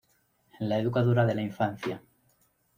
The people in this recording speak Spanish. La educadora de la infancia.